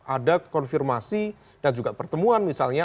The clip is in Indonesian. ada konfirmasi dan juga pertemuan misalnya